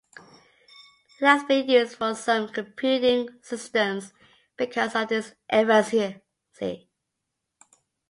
It has been used for some computing systems because of this efficiency.